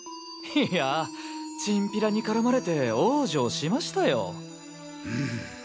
いやチンピラに絡まれて往生しましたよ。